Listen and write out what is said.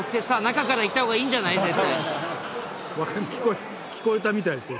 絶対聞こえたみたいですよ